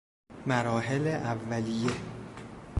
مراحل اولیه